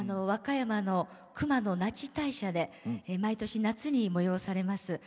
和歌山の熊野那智大社で毎年夏に催されます